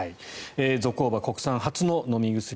ゾコーバ、国産初の飲み薬